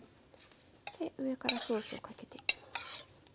上からソースをかけていきます。